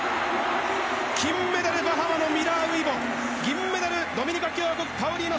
金メダルはミラー・ウイボ銀メダル、ドミニカ共和国パウリーノ。